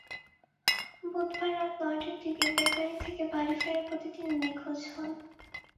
বুধবার রাত নয়টার দিকে বেকারি থেকে বাড়ি ফেরার পথে তিনি নিখোঁজ হন।